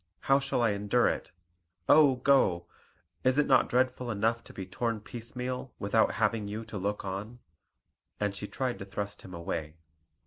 How shall I endure it? Oh, go! Is it not dreadful enough to be torn piecemeal, without having you to look on?" And she tried to thrust him away.